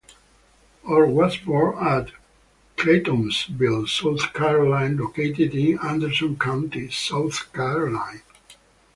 Orr was born at Craytonville, South Carolina located in Anderson County, South Carolina.